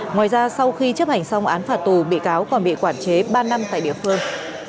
ngoài ra sau khi chấp hành xong án phạt tù bị cáo còn bị quản chế ba năm tại địa phương